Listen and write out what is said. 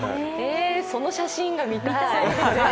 その写真が見たい。